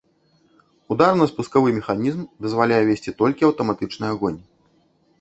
Ударна-спускавы механізм дазваляе весці толькі аўтаматычны агонь.